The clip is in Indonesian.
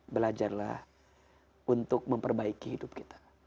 belajarlah untuk memperbaiki hidup kita